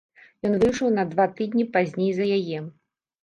Ён выйшаў на два тыдні пазней за яе.